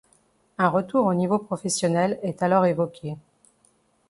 Un retour au niveau professionnel est alors évoqué.